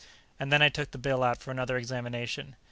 And then I took the bill out for another examination.